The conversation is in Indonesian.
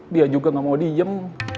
dia juga nggak mau diem